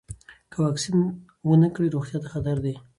که واکسین ونه کړئ، روغتیا ته خطر دی.